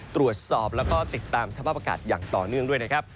ตรวจสอบแล้วก็ติดตามสภาพอากาศอย่างต่อเนื่องด้วยนะครับ